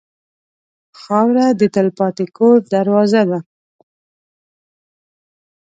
خاوره د تلپاتې کور دروازه ده.